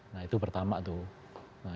nah itu pertama tuh